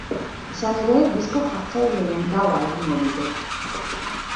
Izan ere, disko-jartzaileen gaua egingo dute.